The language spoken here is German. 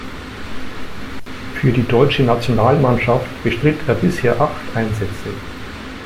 Für die Deutsche Nationalmannschaft bestritt er bisher acht Einsätze.